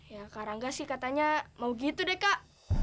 ya kak rangga sih katanya mau gitu deh kak